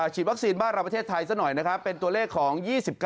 ฉีดวัคซีนบ้านราวประเทศไทยเป็นตัวเลขของ๒๙